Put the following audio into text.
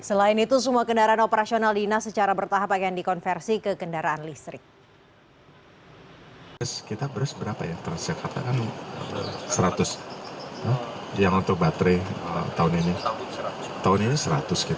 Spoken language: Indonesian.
selain itu semua kendaraan operasional dinas secara bertahap akan dikonversi ke kendaraan listrik